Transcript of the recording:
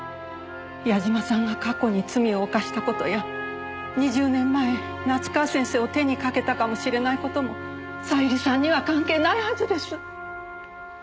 矢嶋さんが過去に罪を犯した事や２０年前夏河先生を手にかけたかもしれない事も小百合さんには関係ないはずです。